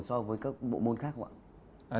so với các bộ môn khác không ạ